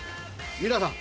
皆さん。